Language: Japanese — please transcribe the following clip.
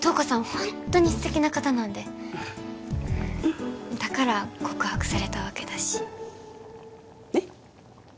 ホントに素敵な方なんでだから告白されたわけだしえっ？